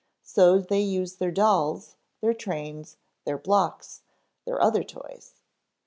So they use their dolls, their trains, their blocks, their other toys.